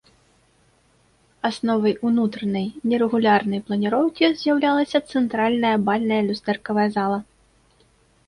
Асновай унутранай нерэгулярнай планіроўкі з'яўлялася цэнтральная бальная люстэркавая зала.